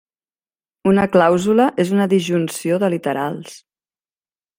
Una clàusula és una disjunció de literals.